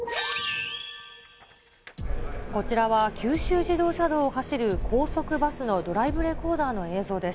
こちらは九州自動車道を走る高速バスのドライブレコーダーの映像です。